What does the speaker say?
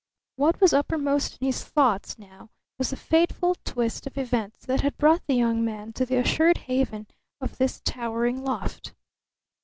What was uppermost in his thoughts now was the fateful twist of events that had brought the young man to the assured haven of this towering loft.